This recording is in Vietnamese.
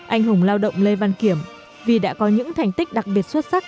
anh hùng lao động lê văn kiểm vì đã có những thành tích đặc biệt xuất sắc